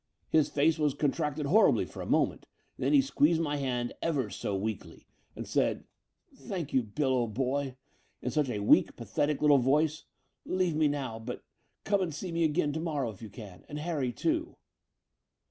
His face was contracted horribly for a moment, and then he squeezed my hand ever so weakly and said. The Dower House 259 'Thank you, Bill, old boy* — ^in such a weak pa thetic little voice — 'leave me now; but come and see me again to morrow, if you can, and Harry too.'"